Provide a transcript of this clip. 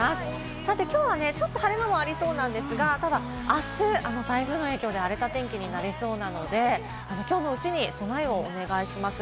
さて、きょうはちょっと晴れ間もありそうなんですが、ただあす、台風の影響で荒れた天気になりそうなので、きょうのうちに備えをお願いします。